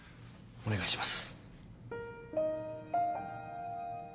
お願いします。